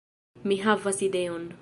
Mi havas ideon